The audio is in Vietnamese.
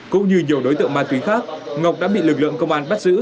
cũng như nhiều đối tượng ma túy khác ngọc đã bị lực lượng công an bắt giữ